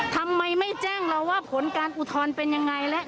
ทำไมไม่แจ้งเราว่าผลการอุทรอนเป็นอย่างไรแล้ว